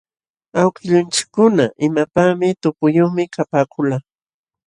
Awkillunchikkuna imapaqpis tupuyuqmi kapaakulqa.